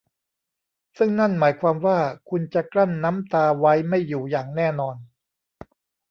ซึ่งนั่นหมายความว่าคุณจะกลั้นน้ำตาไว้ไม่อยู่อย่างแน่นอน